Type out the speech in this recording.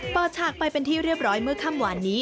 ฉากไปเป็นที่เรียบร้อยเมื่อค่ำหวานนี้